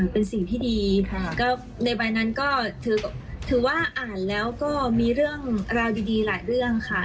เป็นสิ่งที่ดีก็ในใบนั้นก็ถือว่าอ่านแล้วก็มีเรื่องราวดีหลายเรื่องค่ะ